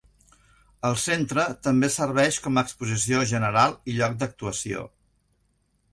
El centre també serveix com a exposició general i lloc d'actuació.